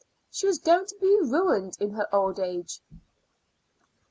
She was going to be ruined in her old age!